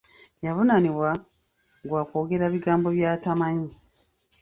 Yavunnaanibwa gwa kwogera bigambo by’atamanyi.